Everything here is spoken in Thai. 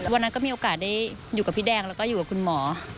วันนั้นก็มีโอกาสได้อยู่กับพี่แดงแล้วก็อยู่กับคุณหมอ